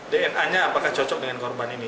dna nya apakah cocok dengan korban ini